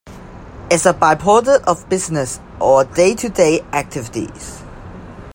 as a byproduct of business or day-to-day activities.